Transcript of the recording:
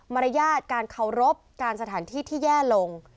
รยาทการเคารพการสถานที่ที่แย่ลง